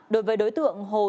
đối với đối tượng hồ chí minh